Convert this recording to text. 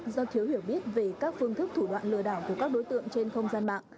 do thiếu hiểu biết về các phương thức thủ đoạn lừa đảo của các đối tượng trên không gian mạng